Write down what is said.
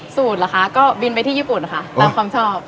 เหรอคะก็บินไปที่ญี่ปุ่นค่ะตามความชอบ